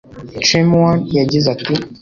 Chemeone yagize ati